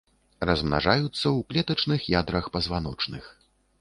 Размнажаюцца ў клетачных ядрах пазваночных.